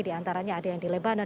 diantaranya ada yang di lebano